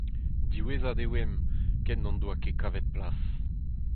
Diwezhat e oamp, ken n’hon doa ket kavet plas.